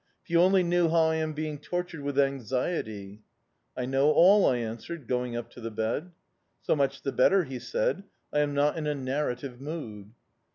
If you only knew how I am being tortured with anxiety.' "'I know all,' I answered, going up to the bed. "'So much the better,' he said. 'I am not in a narrative mood.